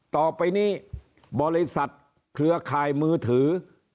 ต่อไปนี้บริษัทเครือข่ายมือถือ